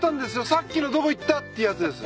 さっきのどこ行った？っていうやつです。